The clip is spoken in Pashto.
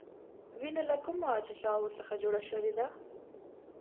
وینه له کومو اجزاوو څخه جوړه شوې ده؟